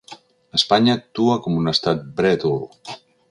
Espanya actua com un estat brètol.